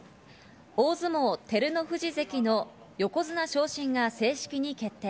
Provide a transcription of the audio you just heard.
大相撲、照ノ富士関の横綱昇進が正式に決定。